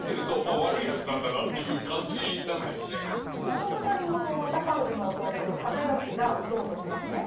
物語の方は尊氏の弟の直義が討とうとしますね。